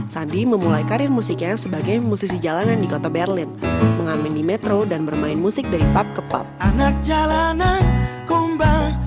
sandi memulai karir musiknya sebagai musisi jalanan di kota berlin mengamini metro dan bermain musik dari pub ke pub